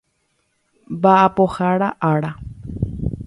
Mba'apohára Ára